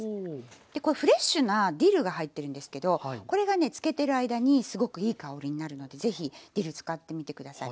でこうフレッシュなディルが入ってるんですけどこれがね漬けてる間にすごくいい香りになるので是非ディル使ってみて下さい。